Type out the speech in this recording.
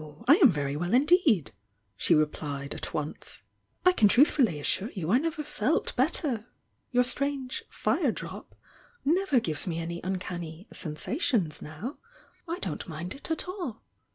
I am very well indeed!" she replied at once. "I can truthfully assure you I never felt better. Your strange 'fire drop' never gives me any uncanny 'sensations' now — I don't mind it at all.